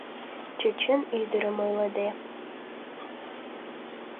Чечен ӱдырым ойлыде